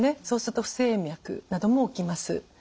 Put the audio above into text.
そうすると不整脈なども起きます。